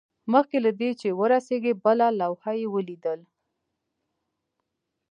مخکې له دې چې ورسیږي بله لوحه یې ولیدل